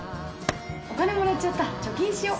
お金もらっちゃった、貯金しよ。